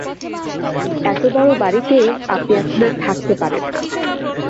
এত বড় বাড়িতে আপনি এখন আর থাকতে পারেন না।